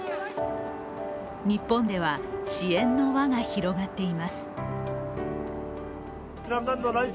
日本では支援の輪が広がっています。